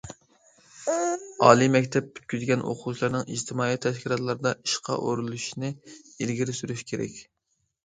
ئالىي مەكتەپ پۈتكۈزگەن ئوقۇغۇچىلارنىڭ ئىجتىمائىي تەشكىلاتلاردا ئىشقا ئورۇنلىشىشىنى ئىلگىرى سۈرۈش كېرەك.